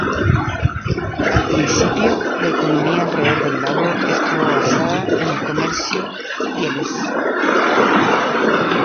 Al principio la economía alrededor del lago estuvo basada en el comercio pieles.